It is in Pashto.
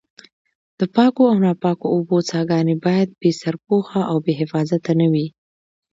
د پاکو او ناپاکو اوبو څاګانې باید بې سرپوښه او بې حفاظته نه وي.